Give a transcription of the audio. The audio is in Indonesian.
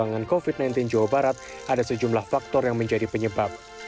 penanganan covid sembilan belas jawa barat ada sejumlah faktor yang menjadi penyebab